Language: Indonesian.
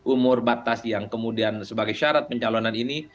umur batas yang kemudian sebagai syarat pencalonan ini